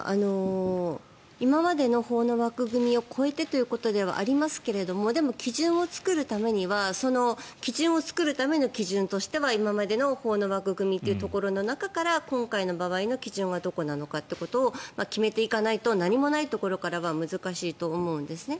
今までの法の枠組みを超えてということではありますがでも、基準を作るためには基準を作るための基準としては今までの法の枠組みというところの中から今回の場合の基準がどこなのかを決めていけないと何もないところからは難しいと思うんですね。